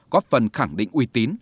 có phần khẳng định uy tín